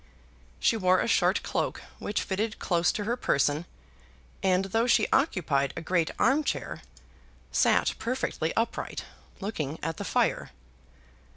She wore a short cloak which fitted close to her person, and, though she occupied a great arm chair, sat perfectly upright, looking at the fire.